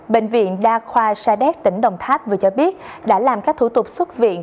bệnh viện đa khoa sa đét tỉnh đồng tháp vừa cho biết đã làm các thủ tục xuất viện